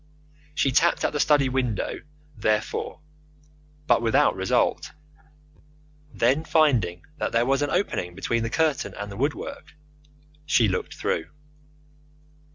She tapped at the study window, therefore, but without result. Then, finding that there was an opening between the curtain and the woodwork, she looked through.